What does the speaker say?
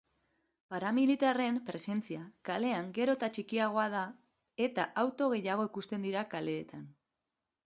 Paramilitarren presentzia kalean gero eta txikiagoa da eta auto gehiago ikusten dira kaleetan.